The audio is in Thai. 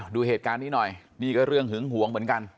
ดูเหตุการณ์นี้หน่อยนี่ก็เรื่องหึงหวงเหมือนกัน